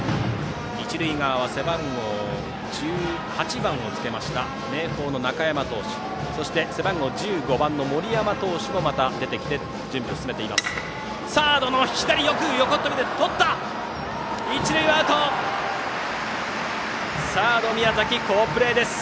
一塁側は背番号１８番をつけた明豊の中山投手そして背番号１５番の森山投手も出てきて準備を進めています。